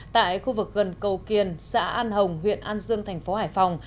tại khu vực gần cầu kiền xã an hồng huyện an dương tp hải phòng